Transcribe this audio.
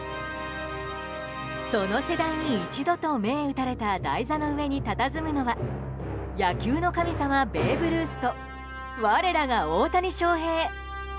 「その世代に一度」と銘打たれた台座の上にたたずむのは野球の神様ベーブ・ルースと我らが、大谷翔平。